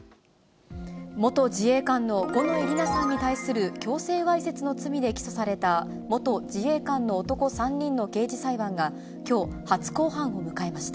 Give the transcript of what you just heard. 元自衛官の五ノ井里奈さんに対する強制わいせつの罪で起訴された元自衛官の男３人の刑事裁判